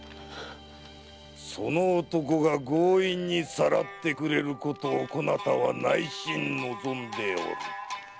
その男が強引にさらってくれることをこなたは内心望んでおる。